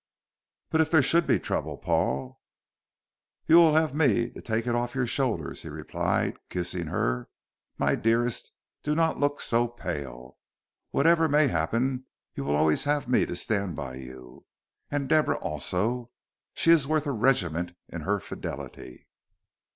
"But if there should be trouble, Paul " "You will have me to take it off your shoulders," he replied, kissing her. "My dearest, do not look so pale. Whatever may happen you will always have me to stand by you. And Deborah also. She is worth a regiment in her fidelity."